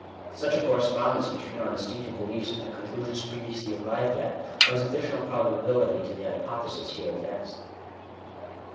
Such a corre spondence between our instinctive beliefs, and the conclusions previously arrived at, lends additional probability to the hypo thesis here advanced.